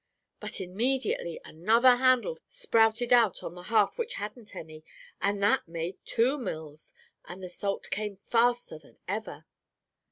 But immediately another handle sprouted out on the half which hadn't any, and that made two mills, and the salt came faster than ever.